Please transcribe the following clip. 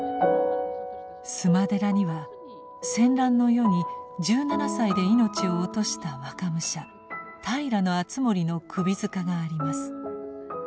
須磨寺には戦乱の世に１７歳で命を落とした若武者平敦盛の首塚があります。